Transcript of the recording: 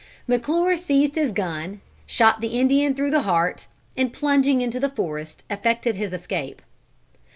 McClure seized his gun, shot the Indian through the heart, and plunging into the forest, effected his escape.